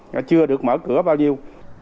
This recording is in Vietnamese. nó chưa được mở cửa bao nhiêu